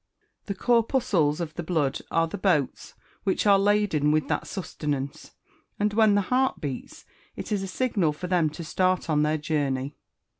The corpuscles of the blood are the boats which are laden with that sustenance, and when the heart beats, it is a signal for them to start on their journey.